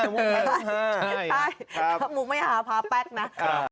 ถ้ามุกไม่หาพาแป๊กนะ